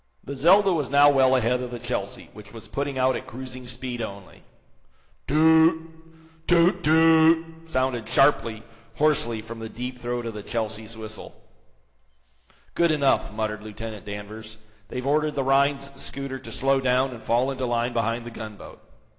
The "Zelda" was now well ahead of the "Chelsea," which was putting out at cruising speed only. Too oot! toot! toot! sounded sharply, hoarsely, from the deep throat of the "Chelsea's" whistle. "Good enough," muttered Lieutenant Danvers. "They've ordered the Rhinds scooter to slow clown and fall into line behind the gunboat."